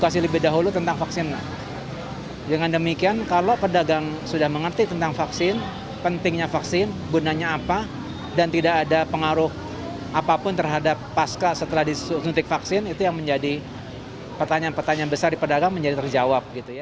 setelah disuntik vaksin itu yang menjadi pertanyaan pertanyaan besar di pedagang menjadi terjawab